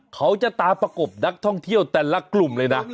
เขาจะตามประกบนักท่องเที่ยวแต่ละกลุ่มเลยนะ